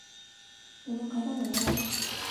— Уны ҡайҙан алабыҙ?